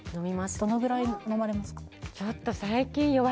どのぐらい飲まれますか？